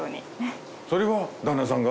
それは旦那さんが？